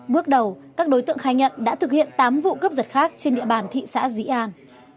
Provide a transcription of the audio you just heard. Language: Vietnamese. bước đầu các đối tượng khai nhận đã thực hiện tám vụ cướp giật khác trên địa bàn thị xã dĩ an